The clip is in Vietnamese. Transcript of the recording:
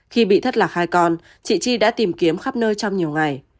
khi bị thất lạc hai con chị chi đã tìm kiếm khắp nơi trong nhiều ngày